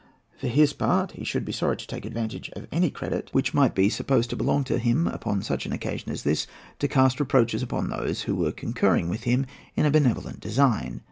For his part, he should be sorry to take advantage of any credit which might be to supposed to belong to him upon such an occasion as this to cast reproaches upon those who were concurring with him in a benevolent design.